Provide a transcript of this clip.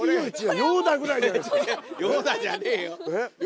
ヨーダじゃねえよ！